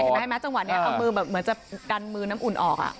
เห็นไหมจังหวะนี้เอามือแบบเหมือนจะกันมือน้ำอุ่นออก